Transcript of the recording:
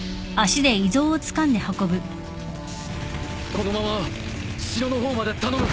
このまま城の方まで頼む。